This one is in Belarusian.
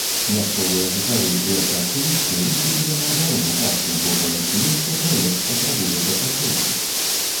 Мясцовыя жыхары і экаактывісты выступілі на абарону парку, бо палічылі, што праект патрабуе дапрацоўкі.